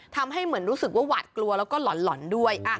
ทำให้เหมือนรู้สึกว่าหวาดกลัวแล้วก็หล่อนด้วย